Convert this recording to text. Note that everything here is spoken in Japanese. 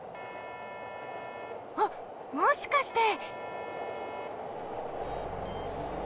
あっもしかして！